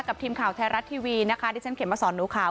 กับทีมข่าวไทยรัฐทีวีนะคะดิฉันเข็มมาสอนหนูขาว